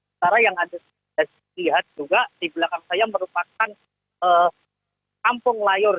secara yang ada di sisi juga di belakang saya merupakan kampung layor